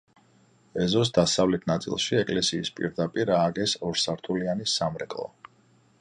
ეზოს დასავლეთ ნაწილში, ეკლესიის პირდაპირ ააგეს ორსართულიანი სამრეკლო.